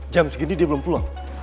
jam segini dia belum pulang